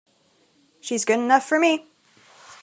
She's good enough for me!